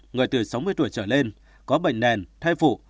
người từ sáu mươi tuổi trở lên có bệnh nền thai phụ